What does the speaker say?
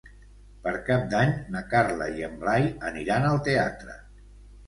Per Cap d'Any na Carla i en Blai aniran al teatre.